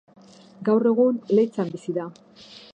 Gaur egun Leitzan bizi da.